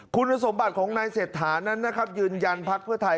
คุณสมบัติของนายเศรษฐานั้นนะครับยืนยันพักเพื่อไทย